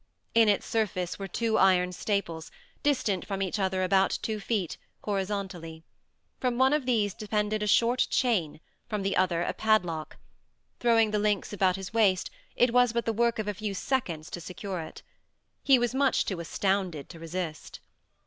In its surface were two iron staples, distant from each other about two feet, horizontally. From one of these depended a short chain, from the other a padlock. Throwing the links about his waist, it was but the work of a few seconds to secure it. He was too much astounded to resist.